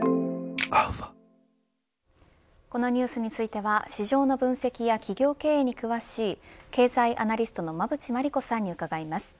このニュースについては市場の分析や企業経営に詳しい経済アナリストの馬渕磨理子さんに伺います。